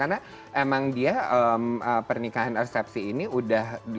karena emang dia pernikahan resepsi ini udah